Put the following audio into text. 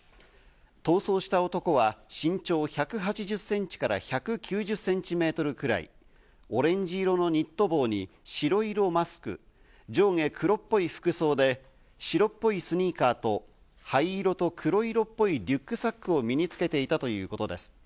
逃走した男は身長１８０センチから１９０センチメートルくらい、オレンジ色のニット帽に白色マスク、上下黒っぽい服装で白っぽいスニーカーと灰色と黒色っぽいリュックサックを身につけていたということです。